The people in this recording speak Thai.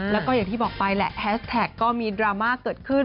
แล้วก็อย่างที่บอกไปแหละแฮสแท็กก็มีดราม่าเกิดขึ้น